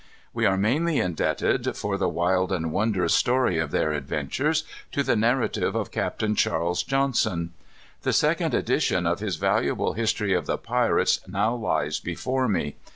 We are mainly indebted, for the wild and wondrous story of their adventures, to the narrative of Captain Charles Johnson. The second edition of his valuable history of the pirates now lies before me.